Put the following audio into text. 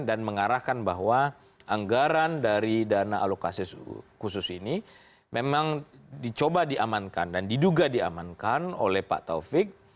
dan mengarahkan bahwa anggaran dari dana alokasi khusus ini memang dicoba diamankan dan diduga diamankan oleh pak taufik